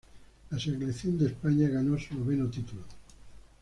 La selección de España ganó su noveno título.